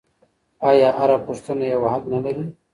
آیا هره پوښتنه یو حل نه لري؟